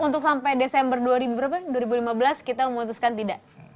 untuk sampai desember dua ribu lima belas kita memutuskan tidak